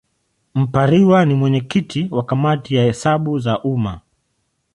Mpariwa ni mwenyekiti wa Kamati ya Hesabu za Umma.